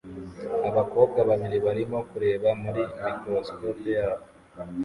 Abakobwa babiri barimo kureba muri microscope yabo